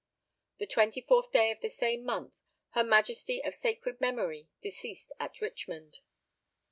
The 24th day of the same month, her Majesty of sacred memory deceased at Richmond.